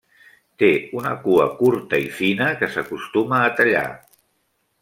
Té una cua curta i fina que s'acostuma a tallar.